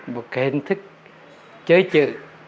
một cái hình thức chế chữ